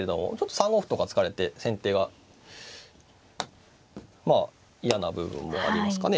３五歩とか突かれて先手がまあ嫌な部分もありますかね。